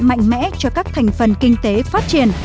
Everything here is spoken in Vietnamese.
mạnh mẽ cho các thành phần kinh tế phát triển